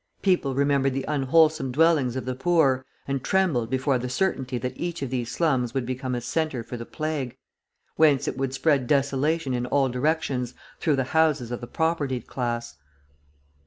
People remembered the unwholesome dwellings of the poor, and trembled before the certainty that each of these slums would become a centre for the plague, whence it would spread desolation in all directions through the houses of the propertied class.